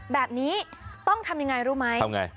แบบนี้ต้องทำยังไงรู้ไหม